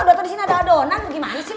udah tau disini ada adonan gimana sih lo